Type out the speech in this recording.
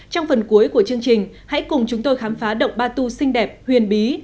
trong phần cuối của chương trình hãy cùng chúng tôi khám phá động batu xinh đẹp huyền bí